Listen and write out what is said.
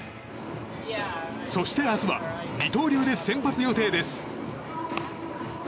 そして明日は二刀流で先発予定です。